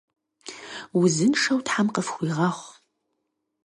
Узыншэу тхьэм къыфхуигъэхъу!